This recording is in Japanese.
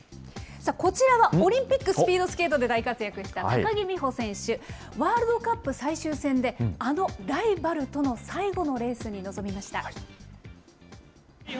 こちらはオリンピック、スピードスケートで大活躍した高木美帆選手、ワールドカップ最終戦で、あのライバルとの最後のレースに臨みました。